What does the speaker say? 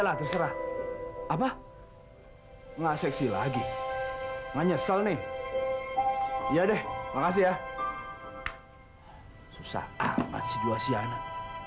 nggak terserah apa nggak seksi lagi nganyesel nih iya deh makasih ya susah amat situasi anak